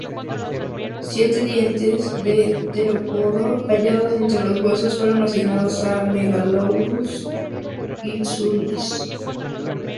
Siete dientes de terópodo hallados entre los huesos fueron asignados a "Megalosaurus insignis".